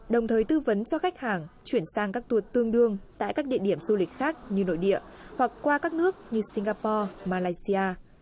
đồng thời tư vấn cho khách hàng chuyển sang các tour tương đương tại các địa điểm du lịch khác như nội địa hoặc qua các nước như singapore malaysia